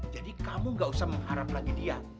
jadi kamu gak usah mengharap lagi dia